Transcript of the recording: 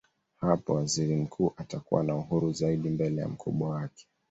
Hapo waziri mkuu atakuwa na uhuru zaidi mbele mkubwa wake.